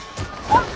あっ！